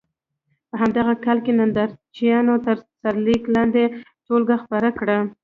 په همدغه کال یې ننداره چیان تر سرلیک لاندې ټولګه خپره کړه.